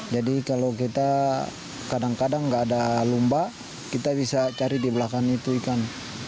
jadi kalau kita kadang kadang tidak ada lumba kita bisa cari di belakang itu ikan